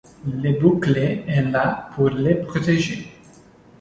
Le bouclier est là pour le protéger.